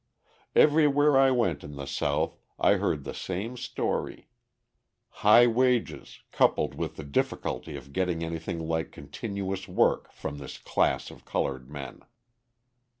Everywhere I went in the South I heard the same story: high wages coupled with the difficulty of getting anything like continuous work from this class of coloured men.